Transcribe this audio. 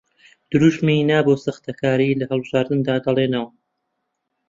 دروشمی نا بۆ ساختەکاری لە هەڵبژاردندا دەڵێنەوە